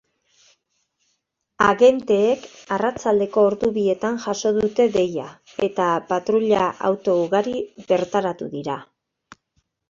Agenteek arratsaldeko ordu bietan jaso dute deia, eta patruila-auto ugari bertaratu dira.